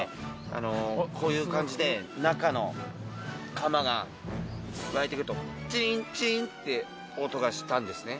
あのこういう感じで中の釜が沸いてくるとチンチンって音がしたんですね